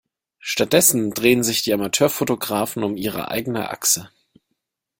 Stattdessen drehen sich die Amateurfotografen um ihre eigene Achse.